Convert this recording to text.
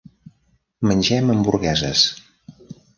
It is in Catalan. Mengem hamburgueses.